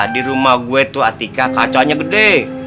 di rumah gue itu atika kacanya gede